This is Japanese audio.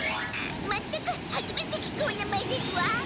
まったくはじめて聞くお名前ですわ！